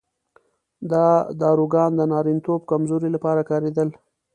دا داروګان د نارینتوب کمزورۍ لپاره کارېدل.